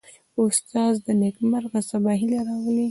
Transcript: استاد د نیکمرغه سبا هیله راولي.